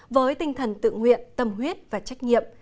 với tinh thần tự nguyện tâm huyết và trách nhiệm